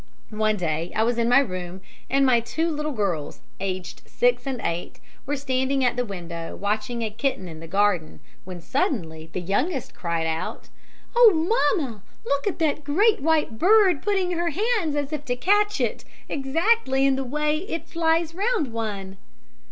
"One day I was in my room, and my two little girls, aged six and eight, were standing at the window watching a kitten in the garden, when suddenly the youngest cried out: "'Oh, mamma! Look at that great white bird,' putting her hands as if to catch it, exactly in the way it flies round one.